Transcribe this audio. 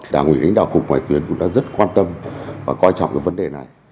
đảng ủy đánh đạo cục ngoại tuyến cũng đã rất quan tâm và quan trọng cái vấn đề này